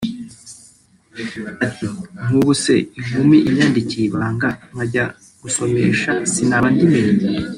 Ati “nk’ubu se inkumi inyandikiye ibanga nkajya gusomesha sinaba ndimennye